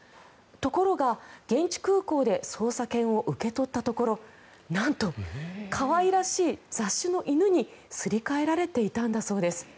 ところが現地空港で捜査犬を受け取ったところなんと、可愛らしい雑種の犬にすり替えられていたんだそうです。